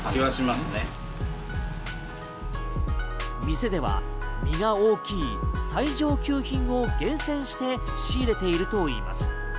店では身が大きい最上級品を厳選して仕入れているといいます。